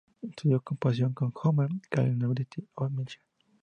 Estudió composición con Homer Keller en la University of Michigan.